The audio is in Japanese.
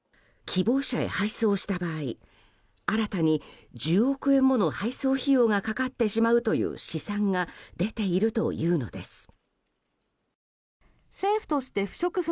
希望者へ配送した場合新たに１０億円もの配送料がかかってしまうという試算が出ているというのです。